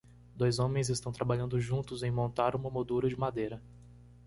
Dois homens estão trabalhando juntos em montar uma moldura de madeira.